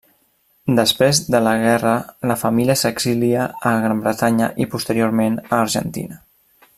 Després de la guerra la família s'exilia a Gran Bretanya i posteriorment a Argentina.